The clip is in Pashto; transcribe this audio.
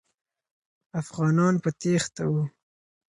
افغانان په تېښته وو.